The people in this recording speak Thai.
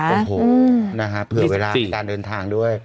โอ้โหนะฮะเผื่อเวลามีการเดินทางด้วย